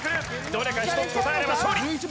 どれか１つ答えれば勝利！